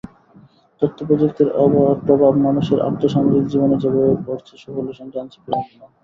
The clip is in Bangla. তথ্যপ্রযুক্তির প্রভাব মানুষের আর্থসামাজিক জীবনে যেভাবে পড়ছে, সুফলের সঙ্গে আনছে বিড়ম্বনাও।